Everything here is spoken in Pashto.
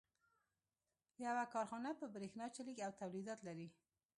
يوه کارخانه په برېښنا چلېږي او توليدات لري.